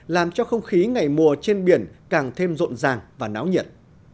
làm cho không khí ngày mùa trên biển càng thêm rộn ràng và náo nhiệt